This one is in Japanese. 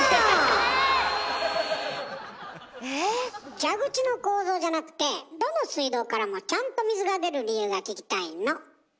蛇口の構造じゃなくてどの水道からもちゃんと水が出る理由が聞きたいの。